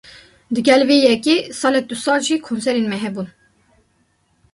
Digel vê yekê, salek du sal jî konserên me hebûn